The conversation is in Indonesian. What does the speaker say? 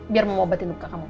biar mau obatin luka kamu